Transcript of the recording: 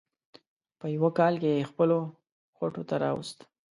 په یوه کال کې یې خپلو خوټو ته راوست.